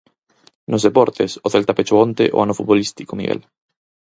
Nos deportes, o Celta pechou onte o ano futbolístico, Miguel.